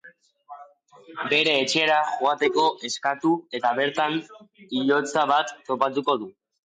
Bere etxera joateko eskatu eta bertan hilotza bat topatuko du.